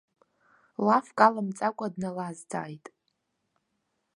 Лафк аламҵакәа, дналазҵааит.